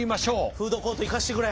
フードコート行かしてくれ。